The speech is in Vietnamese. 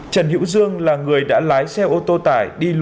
trần hữu dương là người đã lái xe ô tô tải